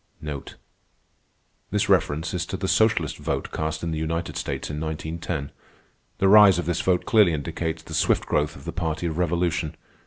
This reference is to the socialist vote cast in the United States in 1910. The rise of this vote clearly indicates the swift growth of the party of revolution.